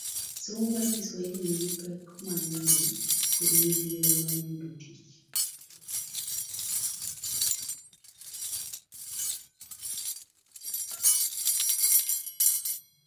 Somo mar Kiswahili nigi pek mang'eny kod midhiero mar yudo tich